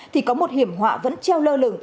thì có một hiểm họa vẫn treo lơ lửng